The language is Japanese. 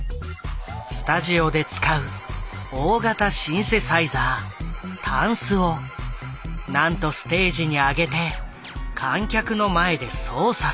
スタジオで使う大型シンセサイザー「タンス」をなんとステージに上げて観客の前で操作する。